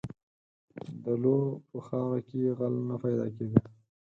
• د لو په خاوره کې غل نه پیدا کېده.